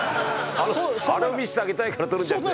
あれを見せてあげたいから撮るんじゃなくて。